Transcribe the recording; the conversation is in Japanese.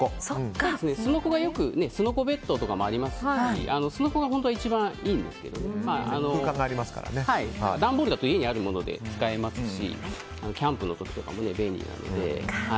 すのこベッドとかもありますしすのこが本当は一番いいんですけど段ボールだと家にあるもので使えますしキャンプの時とかも便利なので。